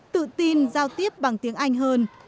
tự tin giao tiếp bằng tiếng anh hơn